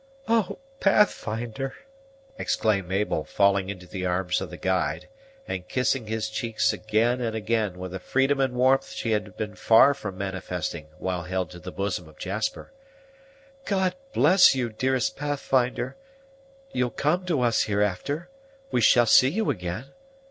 "Oh, Pathfinder!" exclaimed Mabel, falling into the arms of the guide, and kissing his cheeks again and again, with a freedom and warmth she had been far from manifesting while held to the bosom of Jasper; "God bless you, dearest Pathfinder! You'll come to us hereafter. We shall see you again.